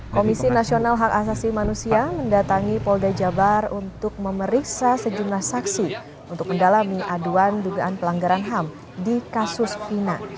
komisi nasional hak asasi manusia mendatangi polda jabar untuk memeriksa sejumlah saksi untuk mendalami aduan dugaan pelanggaran ham di kasus pina